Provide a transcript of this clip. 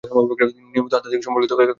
তিনি নিয়মিত আধ্যাত্মিক সম্পর্কিত কাজ করেন।